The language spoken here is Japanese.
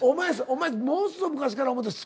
お前ものすごい昔から思ってる。